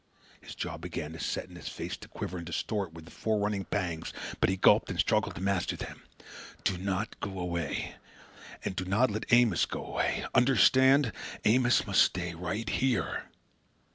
His jaw began to set and his face to quiver and distort with the fore running pangs, but he gulped and struggled to master them. "Do not got away. And do not let Amos go away. Understand! Amos must stay right here."